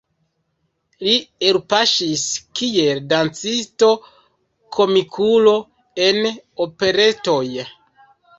Li elpaŝis kiel dancisto-komikulo en operetoj.